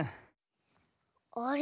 あれ？